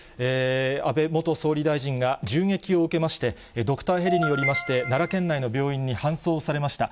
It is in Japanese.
安倍元総理大臣が銃撃を受けまして、ドクターヘリによりまして、奈良県内の病院に搬送されました。